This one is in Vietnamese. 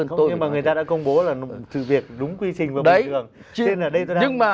nhưng mà người ta đã công bố là sự việc đúng quy trình và bình thường